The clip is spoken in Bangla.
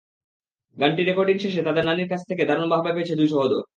গানটি রেকর্ডিং শেষে তাদের নানির কাছ থেকে দারুণ বাহবা পেয়েছে দুই সহোদর।